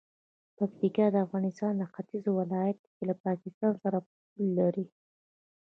پکتیکا د افغانستان د ختیځ ولایت دی چې له پاکستان سره پوله لري.